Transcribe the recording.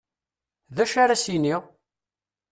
D acu ara as-iniɣ?